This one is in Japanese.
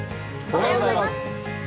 おはようございます。